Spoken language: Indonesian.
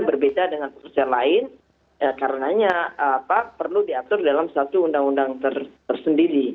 berbeda dengan sosial lain karena perlu diatur dalam satu undang undang tersendiri